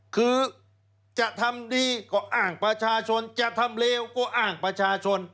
คือจะทำดีก็อ้างประชาชนจะทำเลวก็อ้างประชาชน